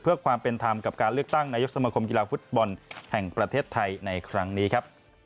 เพื่อความเป็นธรรมกับการเลือกตั้งนายกสมคมกีฬาฟุตบอลแห่งประเทศไทยในครั้งนี้ครับ